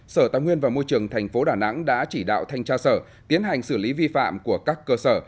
sở tài nguyên và môi trường tp đà nẵng đã chỉ đạo thanh tra sở tiến hành xử lý vi phạm của các cơ sở